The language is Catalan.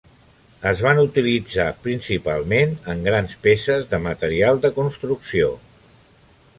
Es van utilitzar principalment en grans peces de material de construcció.